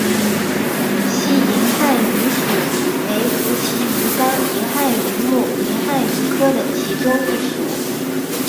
细银汉鱼属为辐鳍鱼纲银汉鱼目银汉鱼科的其中一属。